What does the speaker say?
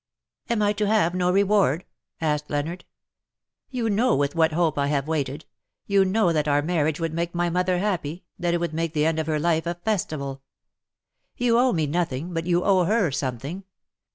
"Am I to have no reward?" asked Leonard. " You know with what hope I have waited — you know that our marriage would make my mother 131 happy^ that it would make the end of her life a festival. You owe me nothing, but you owe her something.